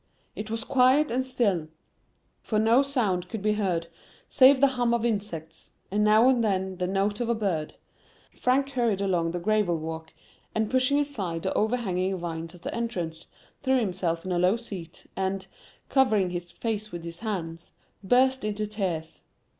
It was quiet and still, for no sound could be heard save the hum of insects, and now and then the note of a bird. Frank, hurried along the gravel walk, and, pushing aside the overhang[Pg 9]ing vines at the entrance, threw himself on a low seat, and, covering his face with his hands, burst into tears.